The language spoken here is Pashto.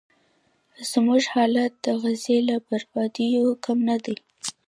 زموږ حالت د غزې له بربادیو کم نه دی.